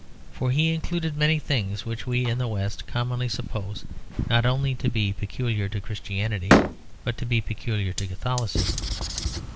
For he included many things which we in the West commonly suppose not only to be peculiar to Christianity but to be peculiar to Catholicism.